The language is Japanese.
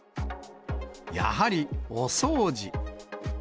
やはりお掃除。